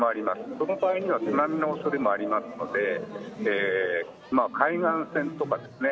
その場合には津波の恐れもありますので海岸線とかですね